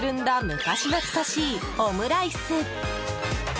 昔懐かしいオムライス。